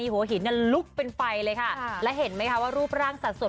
หัวหินนั้นลุกเป็นไฟเลยค่ะและเห็นไหมคะว่ารูปร่างสัดส่วน